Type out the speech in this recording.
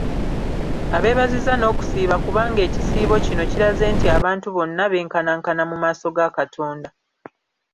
Abeebazizza n’okusiiba kubanga ekisiibo kino kiraze nti abantu bonna benkanankana mu maaso ga Katonda.